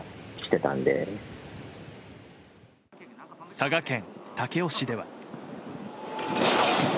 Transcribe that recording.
佐賀県武雄市では。